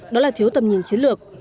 đó là thiếu tầm nhìn chiến lược